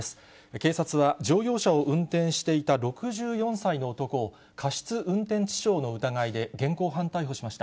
警察は乗用車を運転していた６４歳の男を、過失運転致傷の疑いで現行犯逮捕しました。